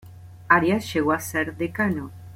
Arias llegó a ser decano.